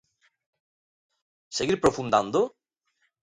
¿Seguir profundando?